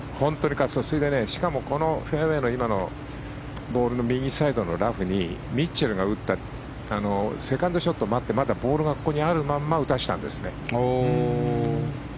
しかもフェアウェーの今のボールの右サイドのラフにミッチェルが打ったセカンドショットを待ってまだボールがここにあるまま打たせたんですね。